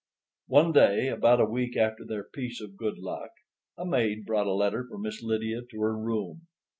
One day, about a week after their piece of good luck, a maid brought a letter for Miss Lydia to her room.